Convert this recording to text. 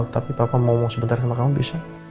tapi papa mau sebentar sama kamu bisa